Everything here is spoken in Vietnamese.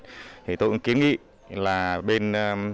thì tôi cũng kiến nghĩ là bên